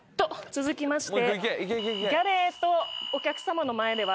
続きまして。